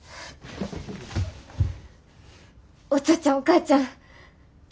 お父ちゃんお母ちゃん